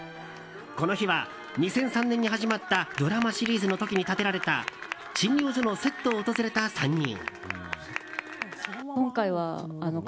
この日は２００３年に始まったドラマシリーズの時に建てられた診療所のセットを訪れた３人。